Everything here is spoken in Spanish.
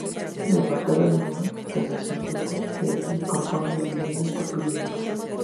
De marcada línea renacentista, el edificio se compone de vivienda y capilla anexa.